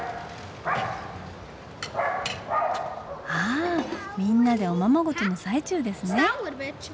あみんなでおままごとの最中ですね。